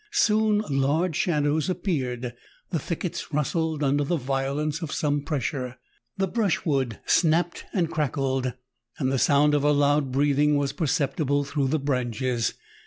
Soon large shadows appeared : the thickets rustled under the violence of some pressure ; the brushwood snapped and crackled, and the sound of a loud breathing was perceptible through the branches.